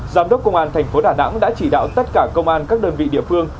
giám đốc công an thành phố đà nẵng đã chỉ đạo tất cả công an các đơn vị địa phương